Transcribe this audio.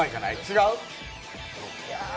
違う？